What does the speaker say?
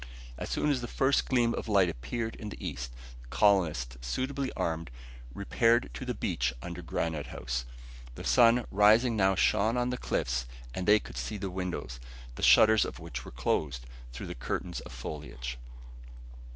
As soon as the first gleam of light appeared in the east, the colonists, suitably armed, repaired to the beach under Granite House. The rising sun now shone on the cliff and they could see the windows, the shutters of which were closed, through the curtains of foliage.